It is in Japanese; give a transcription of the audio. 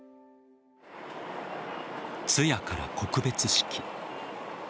通夜から告別式。